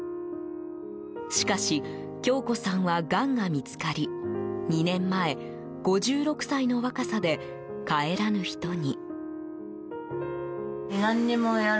しかし、恭子さんはがんが見つかり２年前５６歳の若さで帰らぬ人に。